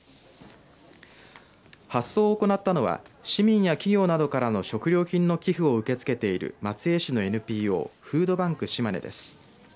発送を行ったのは市民や企業などからの食料品の寄付を受け付けている松江市のＮＰＯフードバンクしまねです。